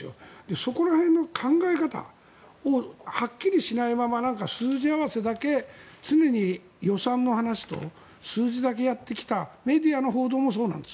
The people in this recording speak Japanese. そこら辺の考え方をはっきりしないまま数字合わせだけ常に予算の話と数字だけやってきたメディアの報道もそうなんです。